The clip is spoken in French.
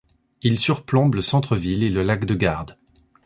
Il surplombe le centre-ville et le lac de Garde.